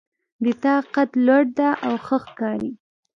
د تا قد لوړ ده او ښه ښکاري